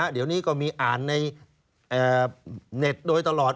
เดี๋ยวนี้ก็มีอ่านในเน็ตโดยตลอด